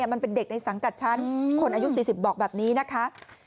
มันเป็นเด็กในสังกัดชั้นคนอายุ๔๐บอกแบบนี้นะคะ